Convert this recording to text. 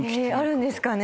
あるんですかね。